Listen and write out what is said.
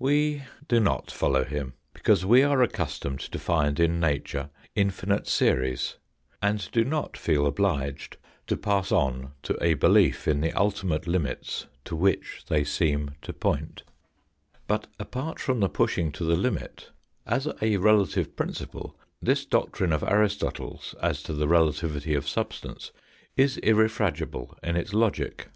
We do not follow him, because we are accus tomed to find in nature infinite series, and do not feel obliged to pass on to a belief in the ultimate limits to which they seem to point, THE FIRST CHAPTER IN THE HISTORY OF FOUR SPACE 39 But apart from the pushing to the limit, as a relative principle this doctrine of Aristotle's as to the relativity of substance is irrefragible in its logic.